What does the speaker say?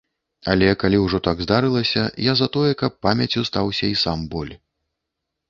Але, калі ўжо так здарылася, я за тое, каб памяццю стаўся і сам боль.